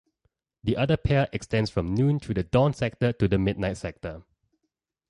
The other pair extends from noon through the dawn sector to the midnight sector.